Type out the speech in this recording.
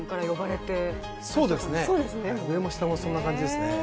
上も下も、呼び方はそんな感じですね。